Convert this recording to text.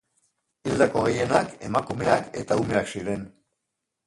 Hildako gehienak emakumeak eta umeak ziren.